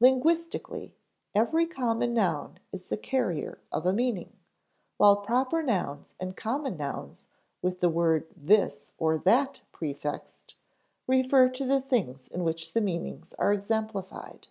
Linguistically, every common noun is the carrier of a meaning, while proper nouns and common nouns with the word this or that prefixed, refer to the things in which the meanings are exemplified.